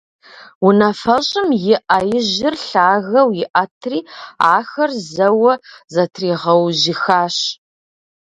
Унафэщӏым и Ӏэ ижьыр лъагэу иӀэтри, ахэр зэуэ зэтригъэужьыхащ.